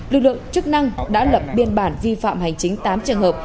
lực lượng chức năng đã lập biên bản vi phạm hành chính tám trường hợp